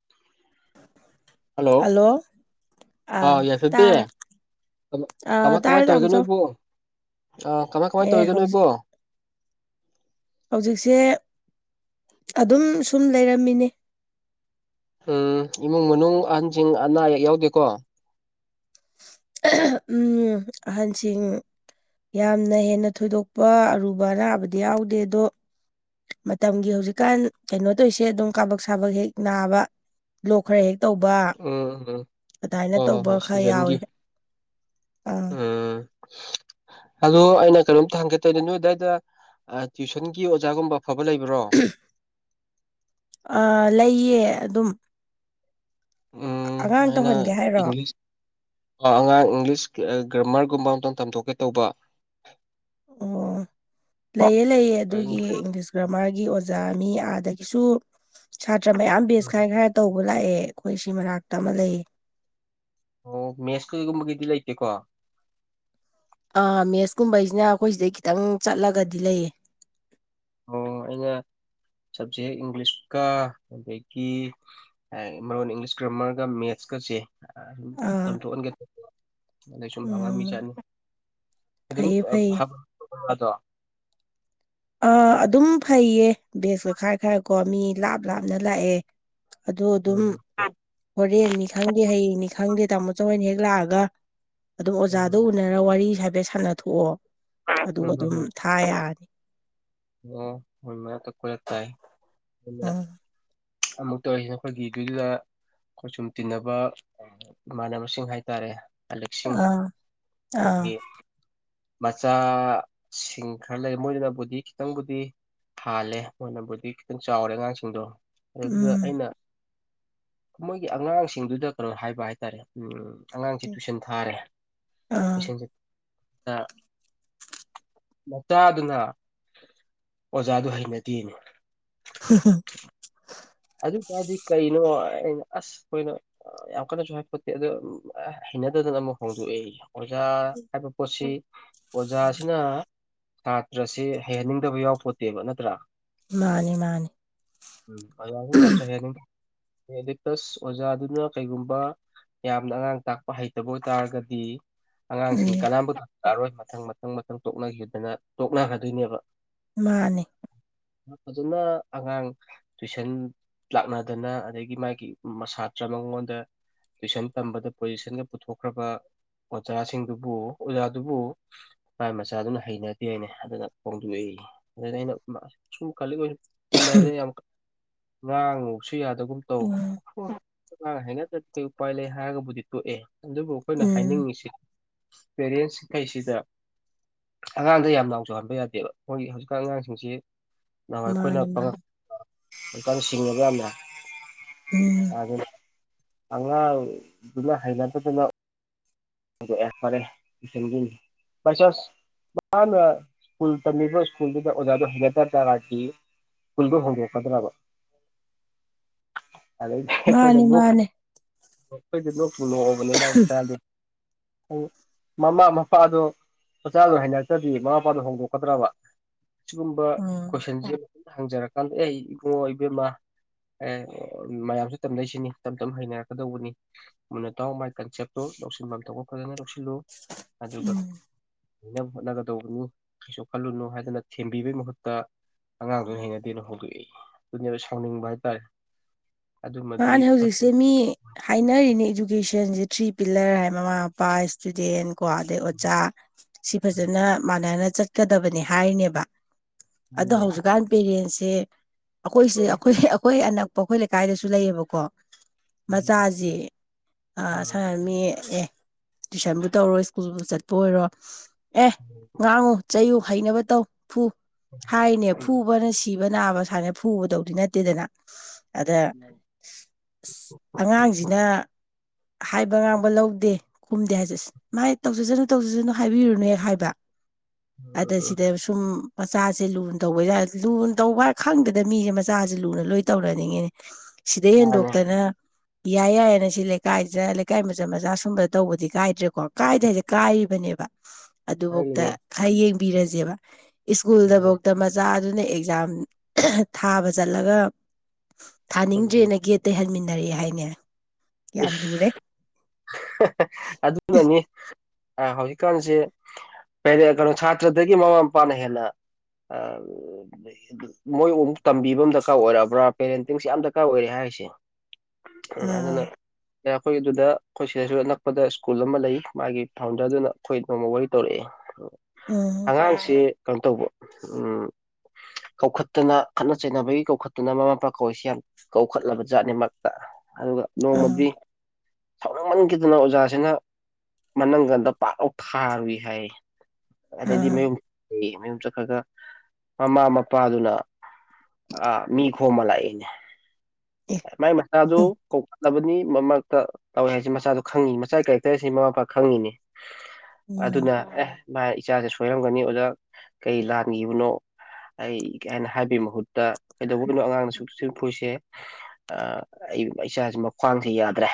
[inaudible] hello ꯑꯥ ꯑ ꯌꯥꯏꯐꯕꯤ ꯇꯥꯔꯦ ꯀꯃ- ꯑ ꯇꯥꯔꯦ ꯆꯝ ꯆꯣ ꯑ ꯀꯃꯥꯏ ꯀꯃꯥꯏꯅ ꯇꯧꯔꯤꯒꯦꯅꯣ ꯏꯕꯣ ꯍꯧꯖꯤꯛꯁꯦ ꯑꯗꯨꯝ ꯁꯨꯝ ꯂꯩꯔꯝꯃꯤꯅꯤ ꯎꯝ ꯏꯃꯨꯡ ꯃꯅꯨꯡ ꯑꯍꯟꯁꯤꯡ ꯑꯅꯥ ꯑꯌꯦꯛ ꯌꯥꯎꯗꯦꯀꯣ ꯎꯝ ꯑꯍꯟꯁꯤꯡ ꯌꯥꯝꯅ ꯍꯦꯟꯅ ꯊꯣꯏꯗꯣꯛꯄ ꯑꯔꯨꯕ ꯑꯅꯥꯕꯗꯤ ꯌꯥꯎꯗꯦ ꯑꯗꯣ ꯃꯇꯝꯒꯤ ꯍꯧꯖꯤꯛꯀꯥꯟ ꯀꯩꯅꯣ ꯇꯧꯔꯤꯁꯦ ꯑꯗꯨꯝ ꯀꯥꯕꯛ ꯁꯥꯕꯛ ꯍꯦꯛ ꯅꯥꯕ ꯂꯣꯛ ꯈꯔ ꯍꯦꯛ ꯇꯧꯕ ꯎꯝ ꯎꯝ ꯑꯗꯨꯃꯥꯏꯅ ꯍꯣꯏ ꯍꯣꯏ ꯇꯧꯕ ꯍꯣꯏ ꯈꯔ ꯁꯤꯖꯟꯒꯤ ꯌꯥꯎꯏꯤ ꯑ ꯍꯂꯣ ꯑꯩꯅ ꯀꯩꯅꯣꯝꯇ ꯍꯪꯒꯦꯠꯇꯣꯏꯗ ꯅꯣꯏ ꯑꯗꯨꯗꯥꯏꯗ ꯇ꯭ꯋꯨꯁꯟꯒꯤ ꯑꯣꯖꯥꯒꯨꯝꯕ ꯐꯕ ꯂꯩꯕ꯭ꯔꯣ ꯑ ꯂꯩꯌꯦ ꯑꯗꯨꯝ ꯎꯝ ꯑꯉꯥꯡ ꯑꯩꯅ ꯇꯧꯍꯟꯒꯦ ꯍꯥꯏꯔꯣ ꯏꯪꯂꯤꯁ ꯑꯉꯥꯡ ꯏꯪꯂꯤꯁ ꯒ꯭ꯔꯃꯔꯒꯨꯝꯕ ꯑꯝꯇꯪ ꯇꯝꯊꯣꯛꯀꯦ ꯇꯧꯕ ꯑꯣ ꯂꯩꯌꯦꯦ ꯂꯩꯑꯦ ꯑꯩ ꯑꯗꯨꯒꯤ ꯏꯪꯂꯤꯁ ꯒ꯭ꯔꯥꯃꯥꯔꯒꯤ ꯑꯣꯖꯥ ꯑ ꯁꯥꯇ꯭ꯔ ꯃꯌꯥꯝ ꯕꯦꯁ ꯈ ꯈ ꯇꯧꯕ ꯂꯥꯛꯑꯦ ꯑꯩꯈꯣꯏ ꯁꯤ ꯃꯅꯥꯛꯇ ꯑꯃ ꯂꯩ ꯑꯣ ꯃꯦꯠꯁ ꯀꯩꯒꯨꯝꯕꯒꯤꯗꯤ ꯂꯩꯇꯦꯀꯣ ꯑꯥ ꯃꯦꯠꯁꯀꯨꯝꯕꯩꯁꯤꯅ ꯑꯩꯈꯣꯏ ꯁꯤꯗꯩ ꯈꯤꯇꯪ ꯆꯠꯂꯒꯗꯤ ꯂꯩꯌꯦ ꯑꯣ ꯑꯩꯅ ꯁꯕꯖꯦꯛ ꯏꯪꯂꯤꯁꯀ ꯑꯗꯒꯤ ꯃꯔꯣꯟ ꯏꯪꯂꯤꯁ ꯒ꯭ꯔꯥꯃꯔꯒ ꯃꯦꯠꯁ ꯀꯁꯦ ꯑꯗꯨ ꯑꯥ ꯇꯝꯊꯣꯛꯍꯟꯒꯦ ꯑꯗꯩ ꯁꯨꯝ ꯍꯪꯉꯝꯃꯤ ꯎꯝ ꯆꯠꯅꯨ ꯐꯩꯌꯦ ꯑꯗꯨꯝꯗꯣ ꯐꯩꯌꯦ ꯑꯥ ꯑꯗꯨꯝ ꯐꯩꯌꯦ ꯕꯦꯒꯇ ꯈꯔ ꯈꯔ ꯀꯣ ꯃꯤ ꯂꯥꯞ ꯂꯥꯞꯅ ꯂꯥꯛꯑꯦ ꯑꯗꯣ ꯑꯗꯨꯝ ꯎꯝ ꯍꯝ ꯍꯣꯔꯦꯟꯅꯤ ꯈꯪꯗꯦ ꯍꯌꯦꯡꯅꯤ ꯈꯪꯗꯦ ꯇꯥꯃꯣꯁꯨ ꯍꯣꯏꯅ ꯍꯦꯛ ꯂꯥꯛꯑꯒ ꯑꯗꯨꯝ ꯑꯣꯖꯥꯗ ꯎꯅꯔ ꯋꯥꯔꯤ ꯍꯥꯏꯐꯦꯠ ꯁꯥꯟꯅꯊꯣꯛꯑꯣ ꯑꯗꯨꯒ ꯎꯝ ꯎꯝ ꯑꯗꯨꯝ ꯎꯝ ꯊꯥ ꯌꯥꯔꯅꯤ ꯑꯣ ꯍꯣꯏꯃ ꯈꯨꯂ ꯇꯥꯏ ꯎꯝ ꯑꯃꯨꯛ ꯇꯧꯔꯤꯁꯦ ꯑꯩꯈꯣꯏꯒꯤꯗꯨꯗꯨꯗ ꯑꯩꯈꯣꯏ ꯁꯨꯝ ꯇꯤꯟꯅꯕ ꯏꯃꯥꯟꯅꯕꯁꯤꯡ ꯍꯥꯏ ꯇꯔꯦ ꯑꯂꯦꯛꯁꯤꯡ ꯑꯥ ꯑꯩꯗꯒꯤ ꯑꯥ ꯃꯆꯥꯁꯤꯡ ꯈꯔ ꯂꯩ ꯃꯣꯏꯗꯨꯅꯕꯨꯗꯤ ꯈꯤꯇꯪꯕꯨꯗꯤ ꯍꯥꯜꯂꯦ ꯃꯣꯏꯅꯕꯨꯗꯤ ꯈꯤꯇꯪ ꯆꯥꯎꯔꯦ ꯑꯉꯥꯡꯁꯤꯡꯗꯣ ꯑꯗꯨꯗꯨꯗ ꯎꯝ ꯑꯩꯅ ꯃꯣꯏꯒꯤ ꯑꯉꯥꯡꯁꯤꯡꯗꯨꯗ ꯀꯩꯅꯣ ꯍꯥꯏꯕ ꯍꯥꯏꯇꯥꯔꯦ ꯎꯝ ꯑꯉꯥꯡꯁꯦ ꯇꯨꯏꯁꯟ ꯊꯥꯔꯦ ꯑꯥ ꯇꯨꯏꯁꯟꯁꯤꯦ ꯃꯆꯥꯗꯨꯅ ꯑꯣꯖꯥꯗꯨ ꯍꯩꯅꯗꯦꯅꯤ [unintelligible] ꯑꯗꯨ ꯑꯣꯏ ꯇꯔꯗꯤ ꯀꯩꯅꯣ ꯑꯩꯅ ꯑꯁ ꯑꯩꯣꯏꯅ ꯌꯥꯝ ꯀꯟꯅꯁꯨ ꯍꯥꯏꯐꯣꯠꯇꯦ ꯑꯣ ꯅꯠꯇꯗꯅ ꯑꯃꯨꯛ ꯍꯣꯡꯗꯣꯛꯑꯏ ꯑꯣꯖꯥ ꯍꯥꯏꯕ ꯄꯣꯠꯁꯤ ꯑꯣꯖꯥꯁꯤꯅ ꯁꯥꯇ꯭ꯔꯁꯦ ꯍꯩꯍꯟꯅꯤꯡꯗꯕ ꯌꯥꯎꯄꯣꯠꯇꯦꯕ ꯅꯠꯇ꯭ꯔꯥ ꯃꯥꯅꯤ ꯃꯥꯅꯤ ꯎꯝ ꯑꯗꯨ ꯑ ꯆꯔꯆ ꯍꯔ ꯀꯗꯤ ꯄ꯭ꯂꯁ ꯑꯣꯖꯥꯗꯨꯅ ꯀꯩꯒꯨꯝꯕ ꯌꯥꯝꯅ ꯑꯉꯥꯡ ꯇꯥꯛꯄ ꯍꯩꯇꯕ ꯑꯣꯏꯇꯥꯥꯔꯒꯗꯤ ꯑꯉꯥꯡꯁꯤꯡ ꯎꯝ ꯀꯅꯥꯕꯨ ꯇꯥꯔꯣꯏ ꯃꯊꯪ ꯃꯊꯪ ꯃꯊꯪ ꯇꯣꯛꯅꯈꯤꯗꯅ ꯇꯣꯛꯅꯈꯗꯣꯏꯅꯦꯕ ꯃꯥꯅꯦ ꯑꯗꯨꯅ ꯑꯉꯥꯡ ꯇꯨꯏꯁꯟ ꯂꯥꯛꯅꯗꯅ ꯑꯗꯒꯤ ꯃꯥꯒꯤ ꯁꯥꯇ꯭ꯔ ꯃꯉꯣꯟꯗ ꯇꯨꯏꯁꯟ ꯇꯝꯕꯗ ꯄꯣꯖꯤꯁꯟꯒ ꯄꯨꯊꯣꯛꯈ꯭ꯔꯕ ꯑꯣꯖꯥꯁꯤꯡꯗꯨꯕꯨ ꯑꯣꯖꯥꯗꯨꯕꯨ ꯃꯥꯥꯏ ꯃꯆꯥꯗꯨꯅ ꯍꯩꯅꯗꯦꯅꯦ ꯑꯗꯨꯅ ꯐꯣꯡꯗꯣꯛꯏ ꯑꯗꯨ ꯑꯩꯅ ꯁꯨꯝ ꯈ ꯆꯤꯕꯅ ꯌꯥꯝ ꯉꯥꯡꯉꯨꯁꯨ ꯌꯥꯗꯒꯨꯝ ꯇꯧ ꯎꯝ ꯉꯥꯡ ꯍꯥꯏꯅ ꯀꯩ ꯎꯄꯥꯏ ꯂꯩ ꯍꯥꯏꯔꯒꯕꯨꯗꯤ ꯇꯣꯛꯑꯦ ꯑꯗꯨꯕꯨ ꯑꯩꯈꯣꯏꯅ ꯎꯝ ꯍꯥꯏꯅꯤꯡꯉꯁꯤ ꯄꯦꯔꯦꯟꯁꯈꯩꯁꯤꯗ ꯑꯉꯥꯡꯗ ꯌꯥꯝ ꯂꯥꯎꯖꯍꯟꯕ ꯌꯥꯗꯦꯕ ꯑꯩꯈꯣꯏꯒꯤ ꯍꯧꯖꯤꯛꯀꯥꯟ ꯑꯉꯥꯡꯁꯤꯡꯁꯤ ꯅꯍꯥꯟꯏ ꯑꯩꯈꯣꯏꯅ ꯃꯥꯅꯤ ꯃꯥꯅꯤ ꯄꯉꯛꯀ ꯁꯤꯡꯉꯒ ꯌꯥꯝꯅ ꯎꯝ ꯑꯗꯨꯅ ꯍꯩꯩꯅꯇ ꯑꯗꯨꯅꯣ ꯑꯣ ꯑꯦꯀꯄꯔꯦ ꯏꯟꯒ ꯄꯥꯏ ꯆꯥꯁ ꯃꯥꯅ ꯁ꯭ꯀꯨꯜ ꯇꯝꯃꯤꯕ ꯁ꯭ꯀꯨꯜꯗꯨꯗ ꯑꯣꯖꯥꯗꯨꯣ ꯍꯦꯟꯒ ꯇ ꯇꯔꯥꯈꯤ ꯍꯜꯒꯣ ꯍꯜꯒꯣ ꯐꯗ꯭ꯔꯕ ꯑꯗꯩꯗꯤ ꯃꯥꯅꯤ ꯑꯩꯈꯣꯏꯅꯣꯛ ꯃꯥꯅꯤ ꯑꯩꯈꯣꯏꯗꯤ ꯂꯣꯛꯄꯨ ꯂꯣꯛꯑꯕꯅꯦ ꯃꯥꯒꯤ ꯏꯟꯗꯤ ꯃꯃꯥ ꯃꯄꯥꯗꯣ ꯃꯆꯥꯗꯨꯣ ꯍꯩꯅꯔꯛꯇ꯭ꯔꯗꯤ ꯃꯃꯥ ꯃꯄꯥꯗꯨ ꯍꯣꯡꯗꯣꯛꯀꯗ꯭ꯔꯕ ꯁꯤꯒꯨꯝꯕ ꯎꯝ ꯀꯣꯏꯁꯟꯁꯤ ꯍꯪꯖꯔꯀꯥꯟꯗ ꯑꯩ ꯏꯕꯨꯡꯉ ꯏꯕꯦꯝꯃ ꯑꯦ ꯃꯌꯥꯝꯁꯨ ꯇꯝꯅꯣꯏꯁꯤꯅꯤ ꯇꯞ ꯇꯞꯅ ꯍꯩꯅꯔꯛꯀꯗꯧꯕꯅꯤ ꯃꯅꯇꯥꯎ ꯃꯥꯏ ꯀꯟꯁꯦꯞꯇꯣ ꯂꯧꯁꯤꯟꯐꯝ ꯊꯣꯛꯄ ꯐꯖꯅ ꯂꯧꯁꯤꯜꯂꯨ ꯑꯗꯨꯒ ꯎꯝ ꯂꯩꯅꯕ ꯍꯣꯠꯅꯒꯗꯧꯕꯅꯤ ꯀꯩꯁꯨ ꯈꯜꯂꯨꯅꯨ ꯍꯥꯏꯗꯅ ꯊꯦꯝꯕꯤꯕꯩ ꯃꯍꯨꯠꯇ ꯑꯉꯥꯡꯗꯨ ꯍꯩꯅꯗꯦꯅ ꯍꯣꯡꯗꯣꯛꯏ ꯑꯗꯨꯅꯦꯕ ꯁꯥꯎꯅꯤꯡꯕ ꯍꯥꯏꯇꯥꯔꯦ ꯑꯗꯨꯃꯗꯤ ꯃꯥꯅꯦ ꯐꯠꯇꯦ ꯍꯧꯖꯤꯛꯁꯦ ꯃꯤ ꯍꯥꯏꯅꯔꯤꯅꯦ ꯏꯗꯨꯀꯦꯁꯟꯁꯤ ꯊ꯭ꯔꯤ ꯄꯤꯜꯂꯔ ꯍꯥꯏ ꯃꯃꯥ ꯃꯄꯥ ꯏꯁꯇꯨꯗꯦꯟ ꯀꯣ ꯑꯗꯩ ꯑꯣꯖꯥ ꯁꯤ ꯐꯖꯅ ꯃꯥꯟꯅꯅ ꯆꯠꯀꯗꯕꯅꯤ ꯍꯥꯏꯔꯤꯅꯦꯕ ꯑꯗꯣ ꯃꯥꯅꯦ ꯍꯧꯖꯤꯛꯀꯥꯟ ꯄꯦꯔꯦꯟꯁꯦ ꯑꯩꯈꯣꯏꯁꯦ ꯂꯣꯏꯔꯦ ꯑꯩꯈꯣꯏ ꯑꯩꯈꯣꯏ ꯑꯅꯛꯄ ꯑꯩꯈꯣꯏ ꯂꯩꯀꯥꯏꯗꯁꯨ ꯁꯨ ꯂꯩꯌꯦꯕꯀꯣ ꯎꯝ ꯃꯆꯥꯁꯤ ꯁ ꯃꯤ ꯑꯦ ꯇꯨꯏꯁꯟꯕꯨ ꯇꯧꯔꯣ ꯁ꯭ꯀꯨꯜꯕꯨ ꯆꯠꯄ ꯑꯣꯏꯔꯣ ꯑꯦ ꯉꯥꯡꯉꯨ ꯆꯩꯌꯨ ꯐꯩꯅꯕ ꯇꯧ ꯐꯨ ꯍꯥꯏꯅꯦ ꯎꯝ ꯐꯨꯕꯅ ꯁꯤ ꯁꯤꯕ ꯅꯥꯕ ꯁꯨꯃꯥꯏꯅ ꯐꯨꯕꯗꯧꯗꯤ ꯅꯠꯇꯦꯗꯅ ꯑꯗ ꯑꯉꯥꯡꯖꯤꯅ ꯍꯥꯏꯕ ꯉꯥꯡꯕ ꯂꯧꯗꯦ ꯈꯨꯝꯗꯦ ꯍꯥꯏꯖ ꯃꯥꯥꯏ ꯇꯧꯖꯖꯅꯨ ꯇꯧꯖꯖꯅꯨ ꯍꯥꯏꯕꯤꯔꯨꯅꯨ ꯍꯦꯛ ꯍꯥꯏꯕ ꯎꯝ ꯑꯗ ꯎꯝ ꯁꯤꯗ ꯁꯨꯝ ꯃꯆꯥꯁꯦ ꯂꯨꯅ ꯇꯧꯕ ꯂꯨꯅ ꯇꯧꯕ ꯍꯥꯏ ꯈꯪꯗꯗ ꯃꯤꯖꯦ ꯃꯆꯥꯖꯦ ꯂꯨꯅ ꯂꯣꯏ ꯇꯧꯅꯅꯤꯡꯉꯤꯅꯤ ꯁꯤꯗꯩ ꯃꯥꯅꯦ ꯍꯦꯟꯗꯣꯛꯇꯅ ꯌꯥꯏ ꯌꯥꯏꯅ ꯁꯤ ꯂꯩꯀꯥꯏꯗ ꯂꯩꯀꯥꯏ ꯃꯆꯟ ꯃꯆꯥ ꯁꯨꯝꯕꯗ ꯇꯧꯕꯗꯤ ꯀꯥꯏꯗ꯭ꯔꯦꯀꯣ ꯀꯥꯏꯗꯦ ꯍꯥꯏꯁꯦ ꯀꯥꯏꯔꯤꯕꯅꯦ ꯕ ꯑꯗꯨꯚꯧꯗ ꯍꯥꯏꯔꯤꯅꯦ ꯈꯔ ꯌꯦꯡꯕꯤꯔꯖꯦꯕ ꯎꯝ ꯢꯁꯀꯨꯜꯗꯚꯧꯗ ꯃꯆꯥꯗꯨꯅ ꯑꯦꯛꯖꯥꯝ ꯊꯥꯕ ꯆꯠꯂꯒ ꯎꯝ ꯎꯝ ꯊꯥꯅꯤꯡꯗ꯭ꯔꯦꯅ ꯒꯦꯠ ꯍꯟꯃꯤꯟꯅ ꯅꯔꯛꯑꯦ ꯍꯥꯏꯅꯦ ꯌꯥꯝ ꯏꯁ ꯂꯨꯔꯦ ꯑꯗꯨꯅꯅꯤ ꯍꯧꯖꯤꯛꯀꯥꯟꯖꯦ ꯀꯩꯅꯣ ꯁꯥꯇ꯭ꯔꯗꯒꯤ ꯃꯃꯥ ꯃꯄꯥꯅ ꯍꯦꯟꯅ ꯃꯣꯏ ꯑꯃꯨꯛ ꯇꯝꯕꯤꯕ ꯑꯃ ꯗꯔꯀꯥꯔ ꯑꯣꯏꯔꯛꯑꯕ꯭ꯔꯥ ꯄꯦꯔꯦꯟꯇꯤꯡꯁꯦ ꯌꯥꯝ ꯗꯔꯀꯥꯔ ꯑꯣꯏꯔꯦ ꯍꯥꯏꯔꯤꯁꯦ ꯎꯝ ꯑꯥ ꯑꯗꯨꯅ ꯑꯩꯈꯣꯏ ꯑꯗꯨꯗ ꯑꯩꯈꯣꯏ ꯁꯤꯗꯁꯨ ꯑꯅꯛꯄꯗ ꯁ꯭ꯀꯨꯜ ꯑꯃ ꯂꯩ ꯃꯥꯒꯤ ꯐꯥꯎꯟꯗꯔꯗꯨꯅ ꯑꯩꯈꯣꯏ ꯅꯣꯡꯃ ꯋꯥꯔꯤ ꯇꯧꯔꯛ ꯑꯦ ꯎꯝ ꯑꯉꯥꯡꯁꯤ ꯀꯩꯅꯣ ꯇꯧꯕ ꯎꯝ ꯀꯧꯈꯠꯇꯅ ꯈꯠꯅ ꯆꯩꯅꯕꯒꯤ ꯀꯧꯈꯠꯇꯅ ꯃꯃꯥ ꯃꯄꯥ ꯀꯧꯏꯕꯁꯤ ꯌꯥꯝ ꯀꯧꯈꯠꯂꯕ ꯖꯥꯠꯅꯦ ꯃꯔꯛꯇ ꯑꯗꯨ ꯑꯥ ꯅꯣꯡꯃꯗꯤ ꯁꯥꯎꯅꯤꯡꯃꯟꯈꯤꯗꯅ ꯑꯣꯖꯥꯁꯤꯅ ꯃꯅꯒꯟꯗ ꯄꯥꯛꯂꯥꯎ ꯊꯥꯔꯨꯏ ꯍꯥꯏꯌꯦ ꯑꯗꯩꯗꯤ ꯑꯥ ꯃꯌꯨꯝꯂꯦꯌꯦ ꯃꯌꯨꯝ ꯆꯠꯈ꯭ꯔꯒ ꯃꯃꯥ ꯃꯄꯥꯗꯨꯅ ꯑ ꯃꯤ ꯈꯣꯝꯃ ꯂꯥꯛꯑꯦꯅꯦ ꯑꯦ ꯃꯥꯏ ꯎꯝ ꯃꯆꯥꯗꯨ ꯀꯧ ꯂꯕꯅꯤ ꯃꯃꯥꯛꯇ ꯇꯧꯋꯦ ꯍꯥꯏꯖꯦ ꯃꯆꯥꯗꯣ ꯈꯪꯉꯤꯅꯤ ꯃꯆꯥꯢ ꯀꯦꯔꯦꯛꯇꯔꯁꯤ ꯃꯃꯥ ꯃꯄꯥ ꯈꯪꯉꯤꯅꯤ ꯃꯥꯅꯤ ꯑꯗꯨꯅ ꯑꯦ ꯃꯥ ꯏꯆꯥꯁꯦ ꯁꯣꯏꯔꯝꯒꯅꯤ ꯑꯣꯖꯥ ꯀꯩ ꯂꯥꯟꯒꯤꯕꯅꯣ ꯑꯩ ꯅ ꯍꯥꯏꯕꯩ ꯃꯍꯨꯠꯇ ꯀꯩꯗꯧꯕꯩꯅꯣ ꯑꯉꯥꯡꯅꯗ ꯑꯁꯛ ꯊꯤꯅ ꯐꯨꯔꯤꯁꯦ ꯑꯩ ꯏꯆꯥꯁꯤ ꯃꯈ꯭ꯋꯥꯡꯖꯦ ꯌꯥꯗ꯭ꯔꯦ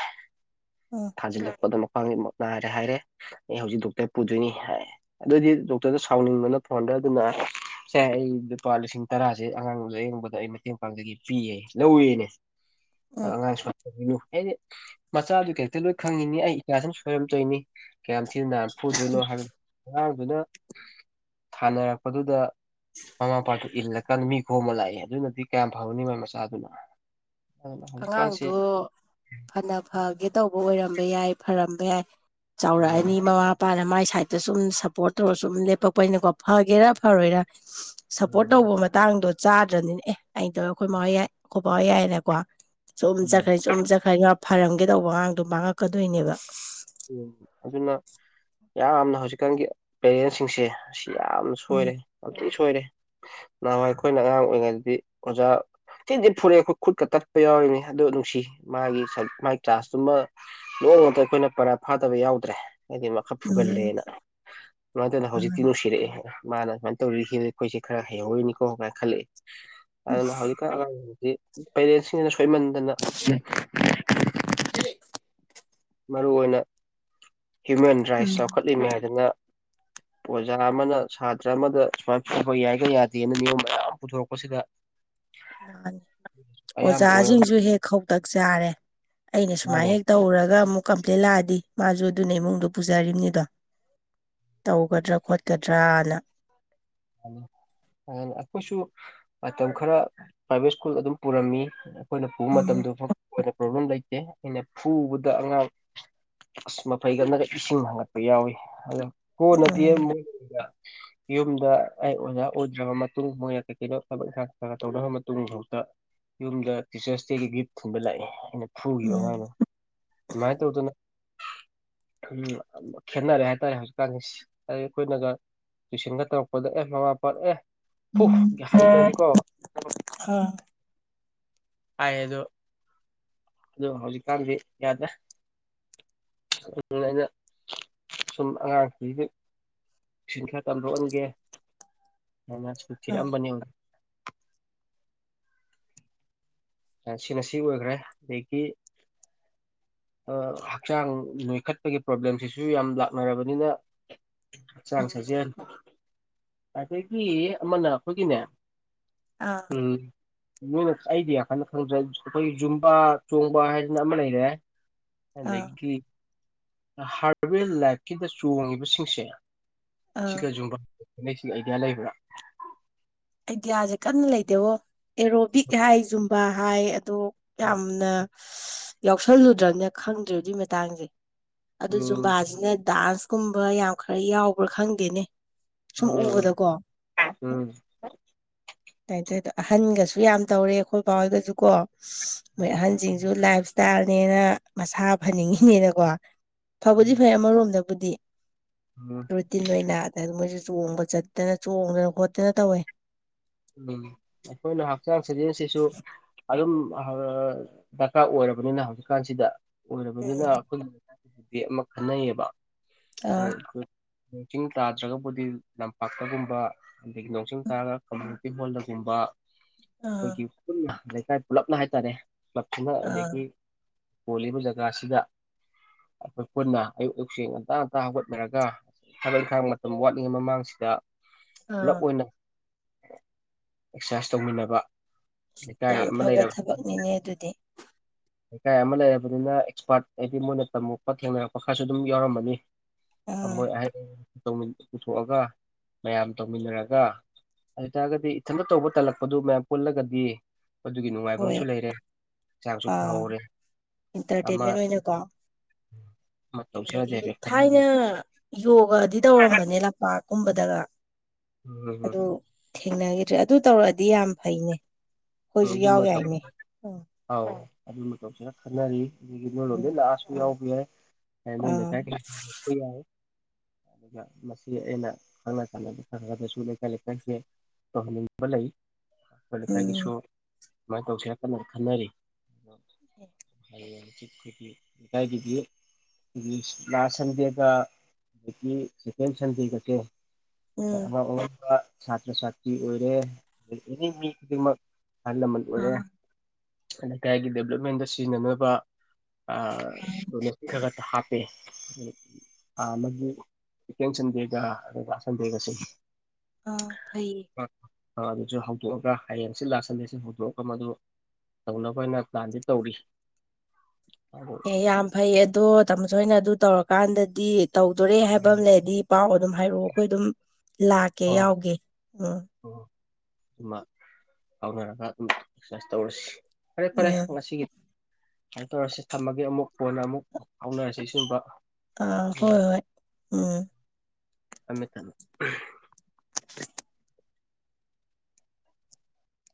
ꯎꯝ ꯊꯥꯖꯤꯜꯂꯛꯄꯗ ꯃ ꯈ꯭ꯋꯥꯡ ꯅꯤꯃꯛ ꯅꯥꯔꯦ ꯍꯥꯏꯔꯦ ꯑꯩ ꯍꯧꯖꯤꯛ ꯗꯣꯛꯇꯔ ꯄꯨꯗꯣꯏꯅꯤ ꯍꯥꯏ ꯑꯗꯨꯗꯤ ꯗꯣꯛꯇꯔꯗ ꯁꯥꯎꯅꯤꯡꯕꯅ ꯐꯣꯟꯗ ꯑꯗꯨꯅ ꯁꯦ ꯑꯩ ꯂꯨꯄꯥ ꯂꯤꯁꯤꯡ ꯇꯔꯥꯖꯦ ꯑꯉꯥꯡ ꯂꯥꯌꯦꯡꯕꯗ ꯑꯩ ꯃꯇꯦꯡ ꯄꯥꯡꯖꯒꯦ ꯄꯤꯌꯦ ꯂꯧꯋꯦꯅꯦ ꯎꯝ ꯑꯉꯥꯡ ꯁꯨꯃꯥꯏ ꯇꯧꯕꯤꯅꯨ ꯑꯩꯗꯤ ꯃꯆꯥꯗꯨ ꯀꯦꯔꯦꯛꯇꯔ ꯂꯣꯏ ꯈꯪꯉꯤꯅꯤ ꯑꯩ ꯏꯆꯥꯁꯤꯅ ꯁꯣꯏꯔꯝ ꯇꯧꯔꯤꯅꯤ ꯀꯌꯥꯝ ꯊꯤ ꯅ ꯅꯥꯥꯟ ꯐꯨꯗꯣꯏꯅꯣ ꯍꯥꯏꯕ ꯑꯉꯥꯡꯗꯨꯅ ꯊꯥꯅꯔꯛꯄꯗꯨꯗ ꯃꯃꯥ ꯃꯄꯥꯗꯨ ꯏꯜꯂꯀꯥꯟꯗ ꯃꯤ ꯈꯣꯝꯃ ꯂꯥꯛꯑꯦ ꯑꯗꯨꯅꯗꯤ ꯀꯌꯥꯝ ꯐꯥꯎꯅꯤ ꯃꯣꯏ ꯃꯆꯥꯗꯨꯅꯣ ꯑꯉꯥꯡꯗꯣ ꯐꯅ ꯐꯥꯒꯦ ꯇꯧꯕ ꯑꯣꯏꯔꯝꯕ ꯌꯥꯏ ꯐꯔꯝꯗꯕ ꯌꯥꯏ ꯃꯥꯅꯦ ꯆꯥꯎꯔꯛꯑꯅꯤ ꯃꯃꯥ ꯃꯄꯥꯅ ꯃꯥꯏ ꯁꯥꯏꯠꯇ ꯁꯨꯝ ꯁꯞꯄꯣꯔꯠ ꯇꯧꯔ ꯁꯨꯝ ꯂꯦꯞꯄꯛ ꯄꯅꯤꯅꯀꯣ ꯐꯒꯦꯔꯥ ꯐꯔꯣꯏꯔ ꯁꯞꯄꯣꯔꯠ ꯇꯧꯕ ꯃꯇꯥꯡꯗꯣ ꯆꯥꯗ꯭ꯔꯝꯅꯤꯅꯦ ꯑꯦ ꯑꯩꯗ ꯑꯩꯈꯣꯏ ꯌꯥꯏ ꯑꯩꯈꯣꯏ ꯕꯥ ꯍꯣꯢ ꯌꯥꯏꯅꯀꯣ ꯁꯨꯝ ꯆꯠꯈ꯭ꯔꯦ ꯁꯨꯝ ꯆꯠꯈ꯭ꯔꯦ ꯐꯔꯝꯒꯦ ꯇꯧꯕ ꯑꯉꯥꯡꯗꯣ ꯃꯥꯡꯉꯛꯀꯗꯣꯏꯅꯦꯕ ꯑꯗꯨꯅ ꯌꯥꯝꯅ ꯍꯧꯖꯤꯛꯀꯥꯟꯒꯤ ꯄꯦꯔꯦꯟꯁꯤꯡꯁꯦ ꯁꯤ ꯌꯥꯝꯅ ꯎꯝ ꯁꯣꯏꯔꯦ ꯁꯣꯏꯔꯦ ꯅꯍꯥꯟꯋꯥꯏ ꯑꯩꯈꯣꯏꯅ ꯑꯉꯥꯡ ꯑꯣꯏꯔꯤꯉꯩꯗꯤ ꯑꯣꯖꯥ ꯊꯤ ꯊꯤ ꯐꯨꯔꯛꯑꯦ ꯑꯩꯈꯣꯏ ꯈꯨꯠꯀ ꯇꯠꯄ ꯌꯥꯎꯔꯤꯅꯦ ꯑꯗꯨ ꯅꯨꯡꯁꯤ ꯃꯥꯒꯤ ꯃꯥꯒꯤ ꯀ꯭ꯂꯥꯁꯇꯨꯃ ꯅꯣꯡ ꯃꯇ ꯑꯩꯇꯣꯢꯅ ꯄꯔꯥ ꯐꯥꯗꯕ ꯌꯥꯎꯗ꯭ꯔꯦ ꯍꯥꯏꯗꯤ ꯃꯥ ꯈꯔ ꯎꯝ ꯐꯨꯒꯜꯂꯦꯅ ꯑꯗꯨꯃꯥꯏꯅ ꯇꯧꯅ ꯍꯧꯖꯤꯛꯇꯤ ꯃꯥꯅꯤ ꯅꯨꯡꯁꯤꯔꯛꯑꯦ ꯃꯥꯅ ꯁꯨꯃꯥꯏꯅ ꯇꯧꯕꯤꯒꯤꯕꯗꯩ ꯑꯩꯈꯣꯏꯁꯦ ꯈꯔ ꯍꯩꯍꯧꯔꯤꯅꯤꯀꯣꯥ ꯀꯥꯢꯅ ꯈꯜꯂꯛꯑꯦ ꯑꯗꯨꯅ ꯍꯧꯖꯤꯛꯀꯥꯟ ꯑꯉꯥꯡꯁꯤ ꯁꯤꯗꯤ ꯄꯦꯔꯦꯟꯁꯤꯡꯁꯤꯅ ꯁꯣꯏꯃꯟ [unintelligible] ꯃꯔꯨ ꯑꯣꯏꯅ ꯍ꯭ꯌꯨꯃꯦꯟ ꯔꯥꯏꯠꯁ ꯎꯝ ꯆꯥꯎꯈꯠꯂꯤꯝꯅꯦ ꯍꯥꯏꯗꯅ ꯑꯣꯖꯥ ꯑꯃꯅ ꯁꯥꯇ꯭ꯔ ꯑꯃꯗ ꯁꯨꯃꯥꯏꯅ ꯐꯕ ꯌꯥꯏꯒ ꯌꯥꯗꯦꯅ ꯅꯤꯌꯣꯝ ꯃꯌꯥꯝ ꯑꯃ ꯄꯨꯊꯣꯔꯛꯄꯁꯤꯗ ꯃꯥꯅꯤ ꯑꯌꯥꯝꯕ ꯑꯣꯏꯔꯕ ꯑꯣꯖꯥꯁꯤꯡꯁꯨ ꯍꯦꯛ ꯈꯧꯇꯛ ꯆꯥꯔꯦ ꯑꯩꯅ ꯁꯨꯃꯥꯏꯅ ꯃꯥꯅꯦ ꯍꯦꯛ ꯇꯧꯔꯒ ꯑꯃꯨꯛ ꯀꯝꯄ꯭ꯂꯦꯟ ꯂꯥꯛꯑꯗꯤ ꯃꯥꯁꯨ ꯑꯗꯨꯅ ꯏꯃꯨꯡꯗ ꯄꯨꯖꯔꯤꯕꯅꯤꯗꯣ ꯇꯧꯒꯗ꯭ꯔꯥ ꯈꯣꯠꯀꯗ꯭ꯔꯅ [inaudible] ꯑꯗꯨꯅ ꯑꯩꯈꯣꯏꯁꯨ ꯃꯇꯝ ꯈꯔ ꯄ꯭ꯔꯥꯏꯚꯦꯠ ꯁ꯭ꯀꯨꯜ ꯑꯗꯨꯝ ꯄꯨꯔꯝꯃꯤ ꯑꯩꯈꯣꯏꯅ ꯄꯨꯕ ꯎꯝ ꯃꯇꯝꯗ ꯄ꯭ꯔꯣꯕ꯭ꯂꯦꯝ ꯂꯩꯇꯦ ꯑꯩꯅ ꯄꯨꯕꯗ ꯑꯉꯥꯡ ꯑꯁ ꯃꯈꯩꯒ ꯑꯃꯅꯒ ꯏꯁꯤꯡ ꯍꯥꯡꯒꯠꯄ ꯌꯥꯎꯋꯤ ꯑꯣ ꯀꯣꯟꯅꯗꯤꯦ ꯎꯝ ꯃꯣꯏꯗ ꯌꯨꯝꯗ ꯑꯩ ꯑꯣꯖꯥ ꯑꯣꯏꯗ꯭ꯔꯕ ꯃꯇꯨꯡ ꯃꯣꯏꯅ ꯀꯩ ꯀꯩꯅꯣ ꯊꯕꯛ ꯏꯥꯡ ꯇꯧꯔꯕ ꯃꯇꯨꯡꯐꯥꯎꯗ ꯌꯨꯝꯗ ꯇꯤꯆꯔꯁ ꯗꯦꯒꯤ ꯒꯤꯐ ꯊꯨꯕ ꯂꯥꯛꯏꯦ ꯑꯩꯅ ꯐꯨꯈꯤꯕ ꯑꯉꯥꯡꯗ ꯑꯗꯨꯃꯥꯏꯅ ꯇꯧꯗꯅ [inaudible] ꯎ ꯈꯦꯠꯅꯔꯦ ꯍꯥꯏꯇꯥꯔꯦ ꯍꯧꯖꯤꯛꯀꯥꯟꯒꯤ ꯑꯩꯈꯣꯏꯅꯒ ꯇꯨꯋꯏꯁꯟꯒ ꯇꯧꯔ ꯗ ꯑꯦ ꯃꯃ ꯑꯦ ꯐ ꯎꯝ ꯎꯝ ꯀ ꯑꯥ ꯍꯥꯏ ꯑꯗꯣ ꯑ ꯍꯧꯖꯤꯛꯀꯥꯟꯗꯤ ꯌꯥꯗ꯭ꯔ ꯩꯅ ꯁꯨꯝ ꯁꯤꯡ ꯈꯔ ꯀꯥꯝꯗꯣꯛꯑꯟꯒꯦ ꯑꯗꯨꯅ ꯁꯨ ꯑꯥ ꯊꯤꯔꯛꯑꯝꯕꯅꯤ ꯁꯤꯅ ꯁꯤ ꯑꯣꯏꯈ꯭ꯔꯦ ꯑꯗꯒꯤ ꯍꯛꯆꯥꯡ ꯅꯣꯏꯈꯠꯄꯒꯤ ꯄ꯭ꯔꯣꯕ꯭ꯂꯦꯝꯁꯤꯁꯨ ꯌꯥꯝ ꯂꯥꯛꯅꯔꯕꯅꯤꯅ ꯍꯛꯆꯥꯡ ꯎꯝ ꯁꯥꯏꯖꯅꯤ ꯑꯗꯒꯤ ꯑꯃꯅ ꯑꯩꯈꯣꯏꯒꯤꯅꯦ ꯑꯥ ꯎꯝ ꯃꯣꯏꯅ ꯍꯥꯏꯗꯤꯌꯥ ꯍꯥꯏꯅ ꯈꯪꯗ꯭ꯔꯦ ꯑꯩꯈꯣꯏ ꯌꯨꯝꯕꯥ ꯆꯣꯡꯕ ꯍꯥꯏꯗꯅ ꯑꯃ ꯂꯩꯔꯦ ꯑꯥ ꯑꯗꯒꯤ ꯍꯥꯔꯕꯦꯜ ꯂꯥꯏꯐꯀꯤꯗ ꯆꯣꯡꯉꯤꯕꯁꯤꯡꯁꯦ ꯑꯥ ꯁꯤꯒ ꯌꯨꯝꯕ ꯍꯦꯛꯁꯤ ꯑꯥꯏꯗꯤꯌꯥ ꯂꯩꯕ꯭ꯔꯥ ꯑꯥꯏꯗꯤꯌꯥꯁꯦ ꯀꯟꯅ ꯂꯩꯗꯦꯕ ꯑꯦꯔꯣꯕꯤꯛ ꯍꯥꯏ ꯌꯖꯨꯝꯕꯥ ꯍꯥꯏ ꯑꯗꯣ ꯌꯥꯝꯅ ꯌꯥꯎꯁꯜꯂꯨꯗ꯭ꯔꯕꯅ ꯈꯪꯗ꯭ꯔꯦꯏ ꯃꯇꯥꯡꯁꯦ ꯑꯗꯨ ꯎꯝ ꯖꯨꯝꯕꯥꯁꯤꯅ ꯗꯥꯟꯁꯀꯨꯝꯕ ꯌꯥꯝ ꯈꯔ ꯌꯥꯎꯕ꯭ꯔꯥ ꯈꯪꯗꯦꯅꯦ ꯁꯨꯝ ꯎꯝ ꯎꯕꯗꯀꯣ ꯎꯝ ꯇꯥꯏ ꯇꯣ ꯑꯍꯟꯒꯁꯨ ꯌꯥꯝ ꯇꯧꯔꯦ ꯑꯩꯈꯣꯏ ꯕꯥꯥꯎ ꯍꯣꯏꯒꯁꯨ ꯀꯣ ꯃꯣꯏ ꯑꯍꯟꯁꯤꯡꯁꯨ ꯂꯥꯏꯐ ꯏꯁꯇꯥꯏꯜꯅꯦꯅ ꯃꯁꯥ ꯐꯅꯤꯡꯉꯤꯅꯦꯅꯀꯣ ꯐꯕꯨꯗꯤ ꯐꯩ ꯑꯃꯔꯣꯝꯗꯕꯨꯗꯤ ꯎꯝ ꯔꯨꯇꯤꯟ ꯑꯣꯏꯅ ꯑꯗ ꯃꯣꯏꯁꯨ ꯆꯣꯡꯕ ꯆꯠꯇꯅ ꯆꯣꯡꯗꯅ ꯈꯣꯠꯇꯅ ꯇꯧꯋꯦ ꯎꯝ ꯑꯩꯈꯣꯏꯅ ꯍꯛꯆꯥꯡ ꯁꯥꯖꯦꯟꯁꯤꯁꯨ ꯑꯗꯨꯝ ꯗꯔꯀꯥꯔ ꯑꯣꯏꯔꯕꯅꯤꯅ ꯍꯧꯖꯤꯛꯀꯥꯟꯁꯤꯗ ꯑꯣꯏꯔꯕꯅꯤꯅ ꯎꯝ ꯑꯩꯈꯣꯏꯒꯤ ꯗꯤ ꯑꯃ ꯈꯟꯅꯩꯌꯦꯕ ꯑꯥ ꯅꯣꯡ ꯆꯤꯡ ꯇꯥꯗ꯭ꯔꯒꯕꯨꯗꯤ ꯂꯝꯄꯥꯛꯇꯒꯨꯝꯕ ꯑꯗꯒꯤ ꯅꯣꯡ ꯆꯤꯡ ꯇꯥꯔꯒ ꯅꯨꯄꯤ ꯍꯣꯜꯗꯒꯨꯝꯕ ꯑꯥ ꯑꯩꯈꯣꯏꯒꯤ ꯄꯨꯟꯅ ꯂꯩꯀꯥꯏ ꯄꯨꯂꯞꯅ ꯍꯥꯏꯇꯥꯔꯦ ꯄꯛꯇꯨꯅ ꯑꯥ ꯑꯗꯒꯤ ꯀꯣꯜꯂꯤꯕ ꯖꯒꯥꯁꯤꯗ ꯑꯩꯈꯣꯏ ꯄꯨꯟꯅ ꯑꯌꯨꯛ ꯑꯌꯨꯛꯁꯤ ꯉꯟꯇꯥ ꯉꯟꯇꯥ ꯍꯧꯒꯠꯅꯔꯒ ꯊꯕꯛ ꯏꯪꯈꯥꯡ ꯃꯇꯝ ꯋꯥꯠꯂꯤꯉꯩ ꯃꯃꯥꯡꯁꯤꯗ ꯄꯨꯂꯞ ꯑꯥ ꯑꯣꯏꯅ ꯑꯦꯛꯁꯔꯁꯥꯏꯁ ꯇꯧꯃꯤꯟꯅꯕ ꯂꯩꯀꯥꯏ ꯌꯥꯝ ꯑꯃ ꯐꯕ ꯂꯩꯔꯕ ꯊꯕꯛꯅꯤꯅꯦ ꯑꯗꯨꯗꯤ ꯂꯩꯀꯥꯏ ꯑꯃ ꯂꯩꯔꯕꯅꯤꯅ ꯑꯦꯛꯁꯄꯥꯔꯠ ꯍꯥꯏꯗꯤ ꯃꯣꯏꯅ ꯇꯝꯃꯛꯄ ꯊꯦꯡꯅꯔꯛꯄ ꯈꯔꯁꯨ ꯑꯗꯨꯝ ꯌꯥꯎꯔꯝꯃꯅꯤ ꯑꯥ ꯑꯃꯣꯏ ꯑꯍ ꯄꯨꯊꯣꯛꯑꯒ ꯃꯌꯥꯝ ꯇꯧꯃꯤꯟꯅꯔꯒ ꯑꯗꯨ ꯑꯣꯏꯇꯥꯔꯒꯗꯤ ꯏꯊꯟꯇ ꯇꯧꯕ ꯇꯜꯂꯛꯄꯗꯨ ꯃꯌꯥꯝ ꯄꯨꯜꯂꯒꯗꯤ ꯑꯗꯨꯒꯤ ꯅꯨꯡꯉꯥꯏꯕ ꯍꯣꯏ ꯑꯃꯁꯨ ꯂꯩꯔꯦ ꯆꯥꯡꯁꯨ ꯐꯍꯧꯔꯦ ꯑꯃ ꯑꯦꯟꯇꯔꯇꯦꯟꯃꯦꯟ ꯑꯣꯏꯅꯀꯣ ꯑꯃ ꯇꯧꯁꯤꯔꯗꯤ ꯑꯗꯒꯤ ꯍꯥꯏꯐꯦꯠ ꯈꯟ ꯊꯥꯏꯅ ꯌꯣꯒꯗꯤ ꯇꯧꯔꯝꯕꯅꯦ ꯂꯝꯄꯥꯛꯀꯨꯝꯕꯗꯒ ꯎꯝ ꯑꯗꯨ ꯊꯦꯡꯅꯈꯤꯗ꯭ꯔꯦ ꯑꯗꯨ ꯇꯧꯔꯛꯑꯗꯤ ꯌꯥꯝ ꯐꯩꯅꯦ ꯎꯝ ꯑꯩꯈꯣꯏꯁꯨ ꯌꯥꯎ ꯑꯗꯨꯃ ꯇ ꯌꯥꯏꯅꯦ ꯎꯝ ꯑ ꯑꯗꯨꯒꯤ ꯃꯇꯧꯁꯤꯔ ꯈꯟꯅꯔꯤ ꯑꯗꯒꯤ ꯅꯣꯏ ꯎꯝ ꯂꯣꯟꯗꯩ ꯂꯥꯛꯑꯁꯨ ꯌꯥꯎꯕ ꯌꯥꯏ ꯍ ꯅꯅꯦ ꯑꯥ ꯀ ꯌꯥ ꯑꯗꯨꯒ ꯃꯁꯤ ꯑꯩꯅ ꯈꯪꯅ ꯁꯥꯟꯅꯕ ꯈꯔꯗꯁꯨ ꯂꯩꯀꯥꯏ ꯂꯩꯀꯥꯏꯈꯤ ꯑꯝꯕ ꯂꯩ ꯑꯩꯈꯣꯏ ꯂꯩꯀꯥꯏꯒꯤꯁꯨ ꯎꯝ ꯁꯃꯥꯏꯅ ꯇꯧꯁꯤ ꯈꯟꯅꯔꯤ ꯎ ꯊ ꯐꯗꯤ ꯥꯏꯒꯤ ꯂꯥꯁ ꯁꯟꯗꯦ ꯁ ꯁꯟꯗꯦ ꯑꯉꯥꯡ ꯎꯝ ꯑꯉꯥꯡꯕ ꯁꯥꯇ꯭ꯔ ꯁꯥꯇ꯭ꯔꯤ ꯑꯣꯏꯔꯦ ꯑꯦꯅꯤ ꯃꯤ ꯈꯨꯗꯤꯡꯃꯛ ꯑꯍꯜ ꯂꯃꯟ ꯑꯣꯏꯔꯦ ꯑꯥ ꯂꯩꯀꯥꯏꯒꯤ ꯗꯦꯕꯂꯞꯃꯦꯟꯗ ꯁꯤꯖꯤꯟꯅꯅꯕ ꯑ ꯑꯥ ꯗꯣꯅꯦꯁꯟ [inaudible] ꯍꯥꯞꯄꯦ ꯑ ꯃꯗꯨ ꯁꯦꯀꯦꯟ ꯁꯟꯗꯦꯒ ꯑꯗꯨꯒ ꯁꯟꯗꯦꯒꯁꯦ ꯑꯥ ꯐꯩꯌꯦ ꯑꯗꯨꯁꯨ ꯍꯧꯗꯣꯛꯑꯒ ꯍꯌꯦꯡꯁꯤ ꯂꯥꯁ ꯁꯟꯗꯦꯁꯦ ꯍꯧꯗꯣꯛꯑꯒ ꯃꯗꯨ ꯇꯧꯅꯕ ꯑꯩꯅ ꯄ꯭ꯂꯥꯟꯗꯤ ꯇꯧꯔꯤ ꯑꯗꯨ ꯑꯦ ꯌꯥꯝ ꯐꯩ ꯑꯗꯣ ꯇꯥꯃꯣꯆꯧ ꯍꯣꯏꯅ ꯑꯗꯨ ꯇꯧꯔꯀꯥꯟꯗꯗꯤ ꯇꯧꯗꯣꯔꯦ ꯍꯥꯏꯕ ꯑꯃ ꯂꯩꯔꯗꯤ ꯄꯥꯎ ꯑꯗꯨꯝ ꯍꯥꯏꯔꯛꯑꯣ ꯑꯩꯈꯣꯏ ꯑꯗꯨꯝ ꯂꯥꯛꯀꯦ ꯌꯥꯎꯒꯦ ꯎꯝ ꯑꯃ ꯍꯧꯎꯅꯔꯒ ꯑꯗꯨꯝ ꯑꯦꯛꯁ꯭ꯔꯁꯥꯏꯁ ꯇꯧꯔꯁꯤ ꯐꯔꯦ ꯐꯔꯦ ꯎꯝ ꯉꯁꯤꯒꯤ ꯁꯨꯃꯥꯏꯅ ꯇꯧꯔꯁꯤ ꯊꯝꯃꯒꯦ ꯑꯃꯨꯛ ꯀꯣꯟꯅ ꯑꯃꯨꯛ ꯐꯥꯎꯅꯔꯁꯤ ꯁꯤꯒꯨꯝꯕ ꯑ ꯎꯝ ꯍꯣꯏ ꯍꯣꯏ ꯎꯝ ꯊꯝꯃꯦ ꯊꯝꯃꯦ [inaudible]